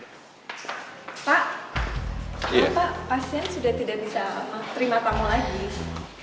pak pasien sudah tidak bisa terima tamu lagi